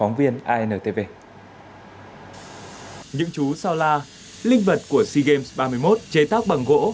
những chú sao la linh vật của sea games ba mươi một chế tác bằng gỗ